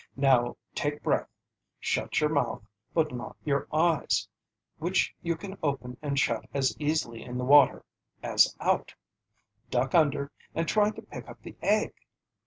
Now take breath, shut your mouth, but not your eyes, which you can open and shut as easily in the water as out, duck under, and try to pick up the egg.